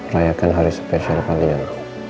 rayakan hari spesial kalian